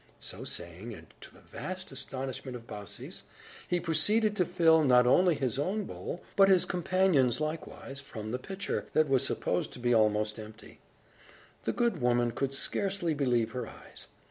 So saying, and to the vast astonishment of Baucis, he proceeded to fill, not only his own bowl, but his companion's likewise, from the pitcher, that was supposed to be almost empty. The good woman could scarcely believe her eyes.